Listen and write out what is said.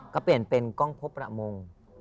ก็เปลี่ยนเป็นกล้องพบประมง